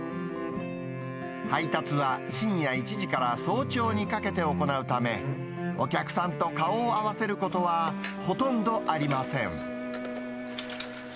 配達は深夜１時から早朝にかけて行うため、お客さんと顔を合わせることはほとんどありません。